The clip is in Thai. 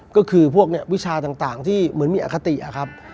ก็คือพวกวิชาต่างที่เหมือนมีอคติอะครับ